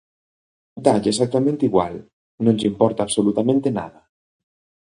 Dálle exactamente igual, non lle importa absolutamente nada.